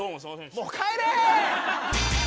もう帰れ！